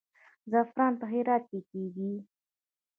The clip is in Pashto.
زعفران په هرات کې کیږي